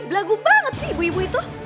lagu banget sih ibu ibu itu